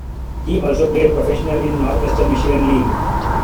He also played professional in the Northwestern Michigan League.